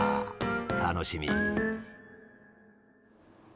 楽しみ。